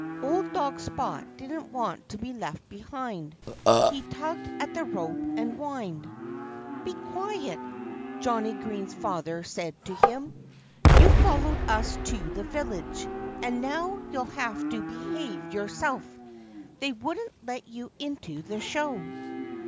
Old dog Spot didn't want to be left behind. He tugged at the rope and whined. "Be quiet!" Johnnie Green's father said to him. "You followed us to the village. And now you'll have to behave yourself. They wouldn't let you into the show."